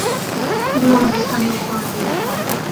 এগুলো আমাদের স্থানীয় উপকরণে তৈরি খাবার।